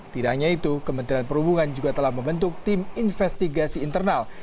tidak hanya itu kementerian perhubungan juga telah membentuk tim investigasi internal